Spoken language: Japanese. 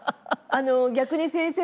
逆に先生。